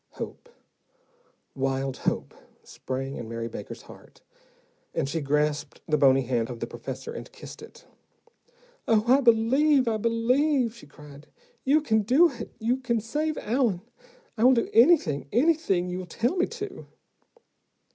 Hope, wild hope, sprang in Mary Baker's heart, and she grasped the bony hand of the professor and kissed it. "Oh, I believe, I believe," she cried. "You can do it. You can save Allen. I will do anything, anything you tell me to."